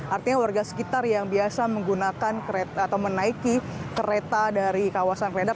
artinya warga sekitar yang biasa menggunakan kereta atau menaiki kereta dari kawasan kled